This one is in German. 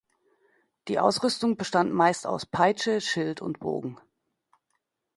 Die Ausrüstung bestand meist aus: Peitsche, Schild und Bogen.